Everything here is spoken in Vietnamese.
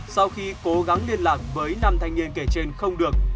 sau khi cố gắng liên lạc với năm thanh niên kể trên không được